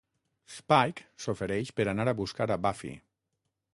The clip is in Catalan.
Spike s'ofereix per anar a buscar a Buffy.